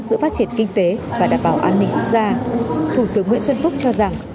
giữa phát triển kinh tế và đảm bảo an ninh ra thủ tướng nguyễn xuân phúc cho rằng